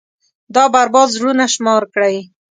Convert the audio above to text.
دا بـربـاد زړونه شمار كړئ.